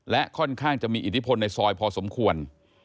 และค่อนข้างจะมีอิทธิพลในซอยพอสมควร